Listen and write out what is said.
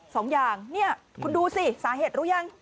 สองอย่างเนี่ยคุณดูสิสาเหตุรู้ยัง